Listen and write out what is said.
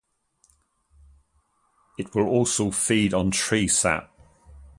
It will also feed on tree sap.